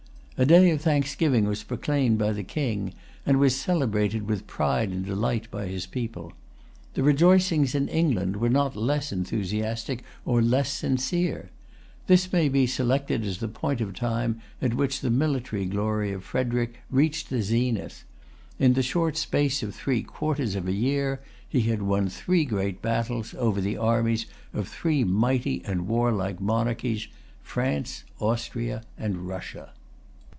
A day of thanksgiving was proclaimed by the King, and was celebrated with pride and delight by his people. The rejoicings in England were not less enthusiastic or less sincere. This may be selected as the point of time at which the military glory of Frederic reached the zenith. In the short space of three quarters of a year he had won three great battles over the armies of three mighty and warlike monarchies, France, Austria, and Russia.